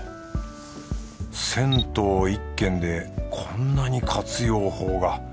銭湯１軒でこんなに活用法が。